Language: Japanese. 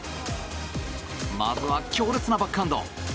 まずは強烈なバックハンド。